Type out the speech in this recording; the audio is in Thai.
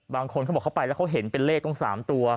บางคนเขาบอกเขาไปแล้วเขาเห็นเป็นเลขต้อง๓ตัว